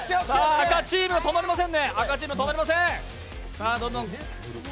赤チーム止まりません。